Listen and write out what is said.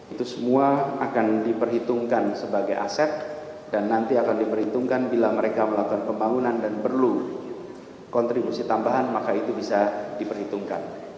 itu semua akan diperhitungkan sebagai aset dan nanti akan diperhitungkan bila mereka melakukan pembangunan dan perlu kontribusi tambahan maka itu bisa diperhitungkan